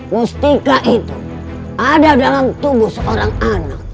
mustika itu ada dalam tubuh seorang anak